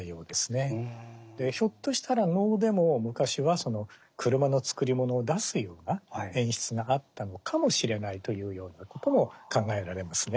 ひょっとしたら能でも昔は車の作り物を出すような演出があったのかもしれないというようなことも考えられますね。